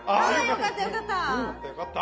よかったよかった。